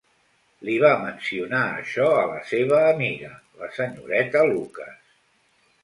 Li va mencionar això a la seva amiga, la senyoreta Lucas.